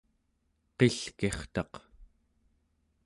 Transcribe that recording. qilkirtaq